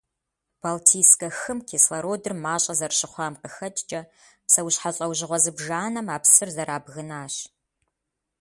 Балтийскэ хым кислородыр мащӀэ зэрыщыхъуам къыхэкӀкӀэ, псэущхьэ лӀэужьыгъуэ зыбжанэм а псыр зэрабгынащ.